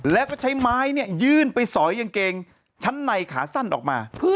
แล้วก็ใช้ไม้เนี่ยยื่นไปสอยกางเกงชั้นในขาสั้นออกมา